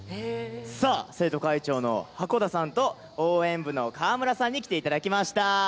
さあ、生徒会長の箱田さんと、応援部の川村さんに来ていただきました。